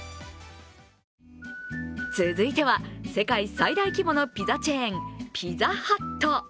続いては、世界最大規模のピザチェーン、ピザハット。